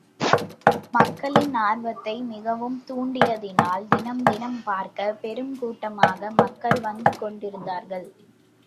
மக்களின் ஆர்வத்தை மிகவும் தூண்டியதினால் தினம் தினம் பார்க்கப் பெருங்கூட்டமாக மக்கள் வந்து கொண்டிருந்தார்கள்.